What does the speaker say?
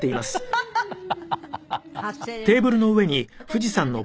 ハハハハ。